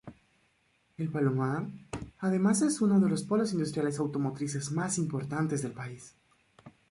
El Palomar, además es uno de los polos industriales automotrices más importantes del país.